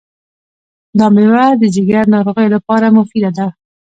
دا مېوه د ځیګر ناروغیو لپاره مفیده ده.